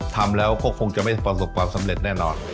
ทำแล้วก็คงจะไม่ประสบความสำเร็จแน่นอน